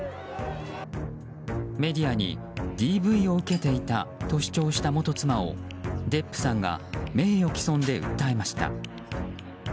メディアにＤＶを受けていたと主張した元妻をデップさんが名誉棄損で訴えました。